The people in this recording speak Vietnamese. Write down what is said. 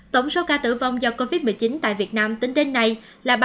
tổng số ca tử vong do covid một mươi chín tại việt nam tính đến nay là ba mươi một tám trăm linh ca